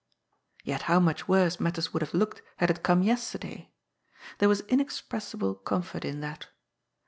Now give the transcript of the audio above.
Yet how much worse matters would have looked had it come yesterday ! There was inexpressible comfort in that.